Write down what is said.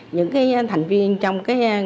những thành viên trong